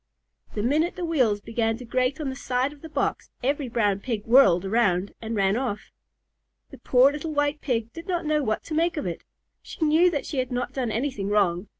The minute the wheels began to grate on the side of the box, every Brown Pig whirled around and ran off. The poor little White Pig did not know what to make of it. She knew that she had not done anything wrong.